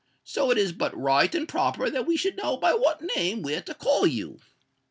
So it is but right and proper that we should know by what name we're to call you."